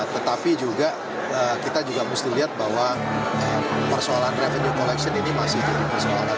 tetapi juga kita juga mesti lihat bahwa persoalan revenue collection ini masih jadi persoalan